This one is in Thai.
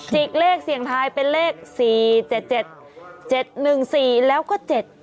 กเลขเสี่ยงทายเป็นเลข๔๗๗๑๔แล้วก็๗๗